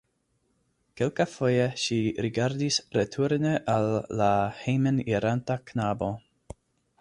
Kelkafoje ŝi rigardis returne al la hejmeniranta knabo.